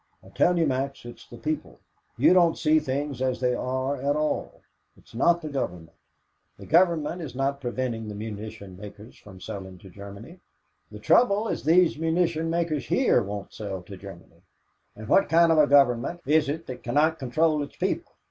"I tell you, Max, it's the people. You don't see things as they are at all it's not the Government. The Government is not preventing the munition makers from selling to Germany. The trouble is these munition makers here won't sell to Germany." "But what kind of a government is it that cannot control its people?